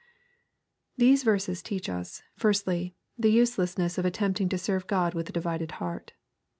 These verses teach us, firstly, the uselessness of attempt^ ing to serve God with a divided heart.